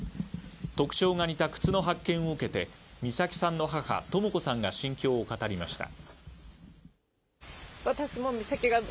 特徴が似た靴の発見を受けて美咲さんの母、とも子さんが心境を語りました。